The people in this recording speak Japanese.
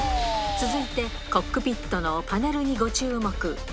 続いて、コックピットのパネルにご注目。